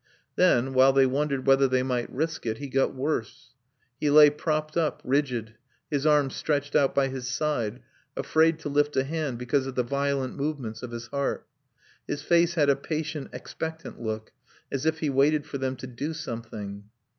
Then, while they wondered whether they might risk it, he got worse. He lay propped up, rigid, his arms stretched out by his side, afraid to lift a hand because of the violent movements of his heart. His face had a patient, expectant look, as if he waited for them to do something.